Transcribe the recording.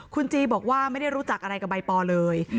คุณจีบอกว่าไม่ได้รู้จักอะไรกับใบปอเลย